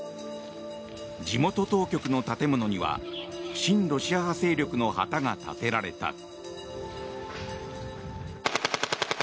地元当局の建物には親ロシア派勢力の旗が立てられた。